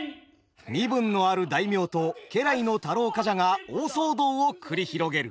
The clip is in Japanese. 身分のある大名と家来の太郎冠者が大騒動を繰り広げる。